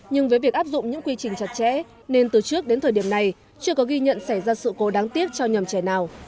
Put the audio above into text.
nhưng với việc áp dụng những quy trình chặt chẽ nên từ trước đến thời điểm này chưa có ghi nhận xảy ra sự cố đáng tiếc cho nhầm trẻ nào